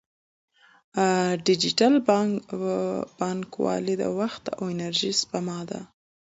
ډیجیټل بانکوالي د وخت او انرژۍ سپما ده.